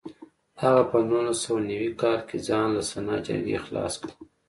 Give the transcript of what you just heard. هغه په نولس سوه نوي کال کې ځان له سنا جرګې خلاص کړ.